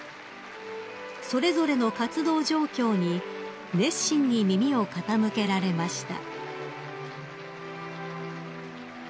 ［それぞれの活動状況に熱心に耳を傾けられました］